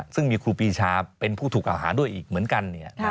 ซึ่งมีครูปีชาเป็นผู้ถูกกล่าวหาด้วยอีกเหมือนกัน